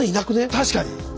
確かに。